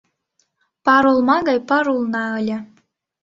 Пар олма гай пар улна ыле